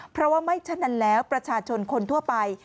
เพราะว่าไม่ฉะนั้นแล้วประชาชนคนทั่วไป